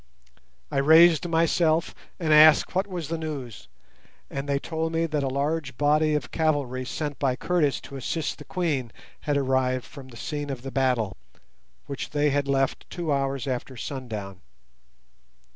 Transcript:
I raised myself and asked what was the news, and they told me that a large body of cavalry sent by Curtis to assist the Queen had arrived from the scene of the battle, which they had left two hours after sundown.